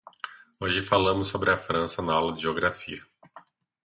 Hoje falamos sobre a França na aula de geografia.